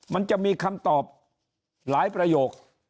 มันจะมีคำตอบหลายประโยค